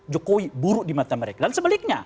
jokowi buruk di mata mereka dan sebaliknya